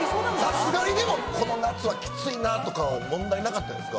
さすがにでもこの夏はきついなとか問題なかったですか？